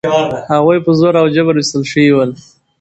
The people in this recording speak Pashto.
هغوی په زور او جبر ویستل شوي ول.